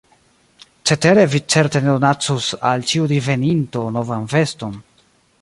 Cetere vi certe ne donacus al ĉiu diveninto novan veston.